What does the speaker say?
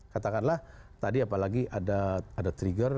katakanlah tadi apalagi ada trigger